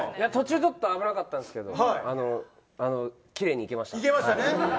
ちょっと危なかったですけどきれいにいけました。